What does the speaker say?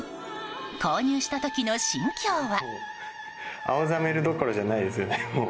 購入した時の心境は。